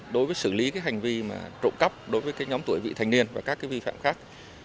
đối với xử lý cái hành vi trộm cắp đối với nhóm tuổi vị thành niên và các vi phạm khác